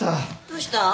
どうした？